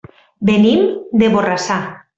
Venim de Borrassà.